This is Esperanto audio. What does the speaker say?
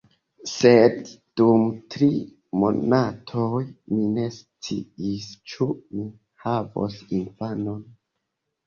Sed dum tri monatoj mi ne sciis, ĉu mi havos infanon.